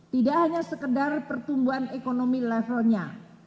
tidak hanya sekedar pertumbuhan ekonomi levelnya